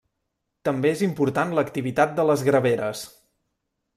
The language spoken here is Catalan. També és important l'activitat de les graveres.